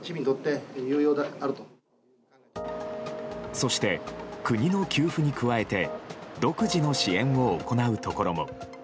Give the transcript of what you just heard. そして、国の給付に加えて独自の支援を行うところも。